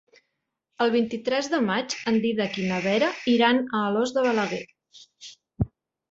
El vint-i-tres de maig en Dídac i na Vera iran a Alòs de Balaguer.